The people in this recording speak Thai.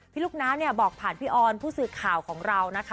ลูกน้าเนี่ยบอกผ่านพี่ออนผู้สื่อข่าวของเรานะคะ